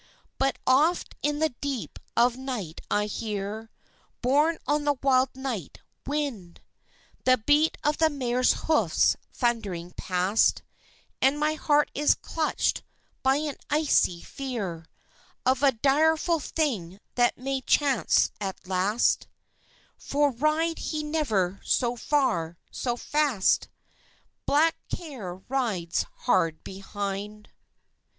But oft in the deep of night I hear Borne on the wild night wind, The beat of the mare's hoofs thundering past, And my heart is clutched by an icy fear Of a direful thing that may chance at last; For ride he never so far, so fast Black Care rides hard behind.